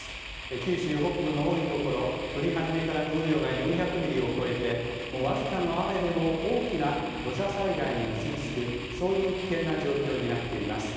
九州北部の多い所、降り始めからの雨量が４００ミリを超えて、もう僅かの雨でも大きな土砂災害に結び付く、そういう危険な状況になっています。